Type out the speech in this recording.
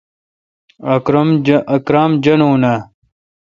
اکرم جانون آں؟